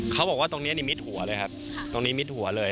เขาบอกว่าตรงนี้นี่มิดหัวเลยครับตรงนี้มิดหัวเลย